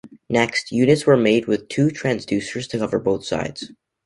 Next, units were made with two transducers to cover both sides.